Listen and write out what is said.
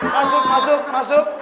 masuk masuk masuk